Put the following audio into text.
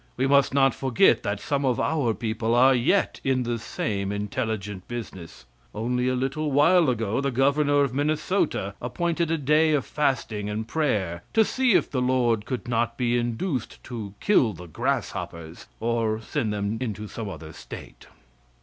We must not forget that some of our people are yet in the same intelligent business. Only a little while ago the Governor of Minnesota appointed a day of fasting and prayer to see if the Lord could not be induced to kill the grasshoppers or send them into some other State.